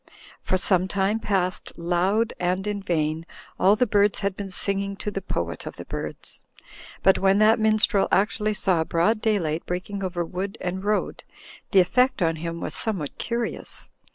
For some time past, loud and in vain, all the birds had been singing to the Poet of the Birds. But when that minstrel actually saw broad daylight breaking over wood and road, the effect on him was somewhat u,y,u.«u by Google THE SEVEN MOODS OF DORIAN 197 curious.